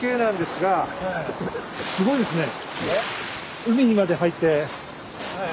すごいですね。